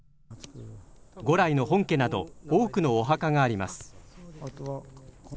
五来の本家など多くのお墓があります。